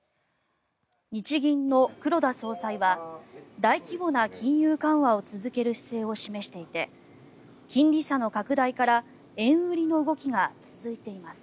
日銀の黒田総裁は大規模な金融緩和を続ける姿勢を示していて金利差の拡大から円売りの動きが続いています。